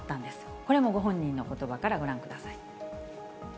これもご本人のことばからご覧ください。